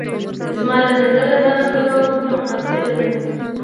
زما له نظره دغه دوا ورته مناسبه ده.